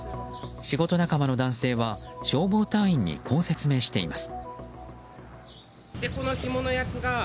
仕事仲間の男性は消防隊員にこう説明しています。